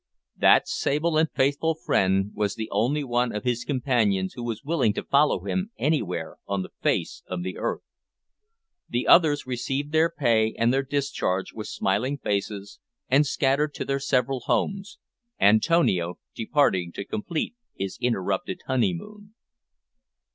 That sable and faithful friend was the only one of his companions who was willing to follow him anywhere on the face of the earth. The others received their pay and their discharge with smiling faces, and scattered to their several homes Antonio departing to complete his interrupted honeymoon.